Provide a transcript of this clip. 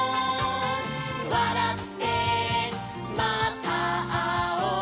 「わらってまたあおう」